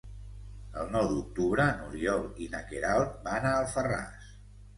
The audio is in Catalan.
El nou d'octubre n'Oriol i na Queralt van a Alfarràs.